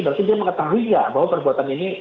berarti dia mengetahui ya